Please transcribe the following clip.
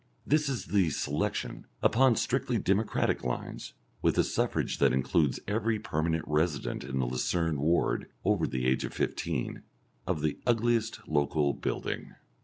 This is the selection, upon strictly democratic lines, with a suffrage that includes every permanent resident in the Lucerne ward over the age of fifteen, of the ugliest local building.